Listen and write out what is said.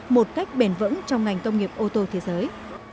một cách bền vững trong ngành công nghiệp ô tô thế giới